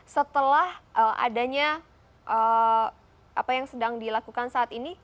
setelah adanya apa yang sedang dilakukan saat ini